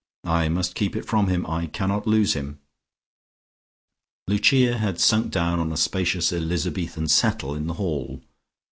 I must keep it from him. I cannot lose him." Lucia had sunk down on a spacious Elizabethan settle in the hall.